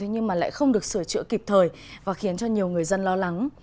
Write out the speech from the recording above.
nhưng mà lại không được sửa chữa kịp thời và khiến cho nhiều người dân lo lắng